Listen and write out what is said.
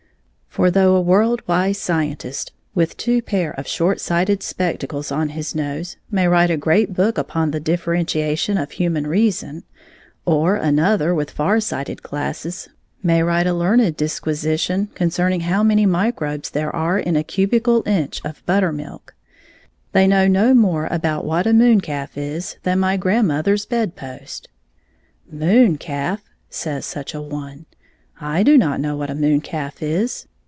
For though a world wise scientist with two pair of short sighted spectacles on his nose may write a great hook upon the differentiation of Human Reason, or another with far sighted glasses may write a learned dis* 9 quisition concerning how many microbes there are in a cubical inch of butter milk, they know no more about what a moon calf is than my grand mother's bed post. "Moon calf!" says such an one; "I do not know what a moon calf is.